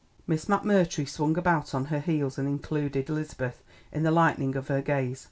Miss McMurtry swung about on her heels and included Elizabeth in the lightning of her gaze.